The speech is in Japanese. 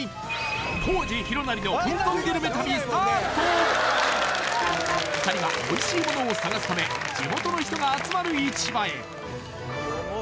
浩史弘也の２人はおいしいものを探すため地元の人が集まる市場へ！